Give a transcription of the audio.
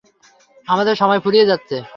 আমাদের সময় ফুরিয়ে যাচ্ছে।